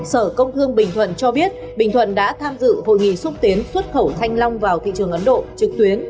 sở công thương bình thuận cho biết bình thuận đã tham dự hội nghị xúc tiến xuất khẩu thanh long vào thị trường ấn độ trực tuyến